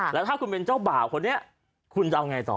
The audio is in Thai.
แล้วถ้าคุณเป็นเจ้าบ่าวคนนี้คุณจะเอาไงต่อ